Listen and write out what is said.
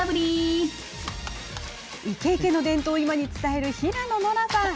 イケイケの伝統を今に伝える平野ノラさん。